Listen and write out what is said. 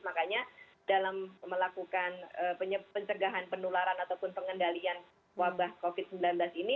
makanya dalam melakukan pencegahan penularan ataupun pengendalian wabah covid sembilan belas ini